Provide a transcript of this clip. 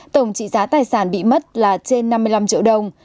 tổng trị giá tài sản bị mất là trên năm mươi năm triệu đồng